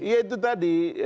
iya itu tadi